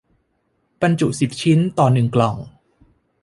บรรจุสิบชิ้นต่อกล่อง